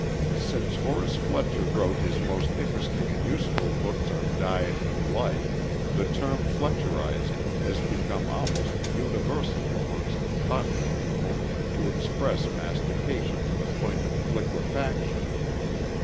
Since Horace Fletcher wrote his most interesting and useful books on diet and life, the term "fletcherizing" has become almost universal amongst thoughtful people to express mastication to the point of liquifaction.